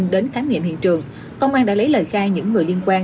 đến khám nghiệm hiện trường công an đã lấy lời khai những người liên quan